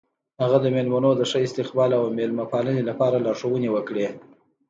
هغه د میلمنو د ښه استقبال او میلمه پالنې لپاره لارښوونې وکړې.